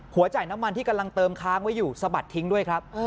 จ่ายน้ำมันที่กำลังเติมค้างไว้อยู่สะบัดทิ้งด้วยครับ